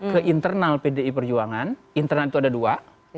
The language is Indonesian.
ke internal pdi perjuangan internal itu ada dua